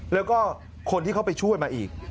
แล้วก็คนที่เขาไปช่วยมาอีก